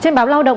trên báo lao động